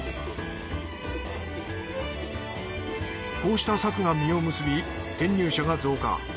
こうした策が実を結び転入者が増加。